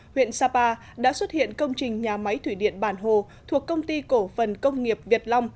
huyện sapa đã xuất hiện công trình nhà máy thủy điện bản hồ thuộc công ty cổ phần công nghiệp việt long